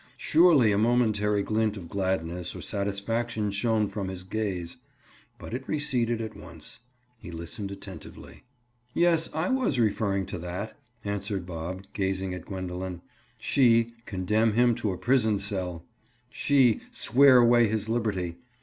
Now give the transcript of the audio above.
Surely a momentary glint of gladness or satisfaction shone from his gaze. But it receded at once. He listened attentively. "Yes, I was referring to that," answered Bob, gazing at Gwendoline. She, condemn him to a prison cell! She, swear away his liberty!